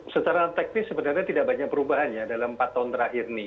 secara teknis sebenarnya tidak banyak perubahan ya dalam empat tahun terakhir ini